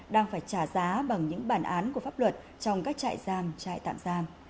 đang phải trả giá bằng những bản án của pháp luật trong các trại giam trại tạm giam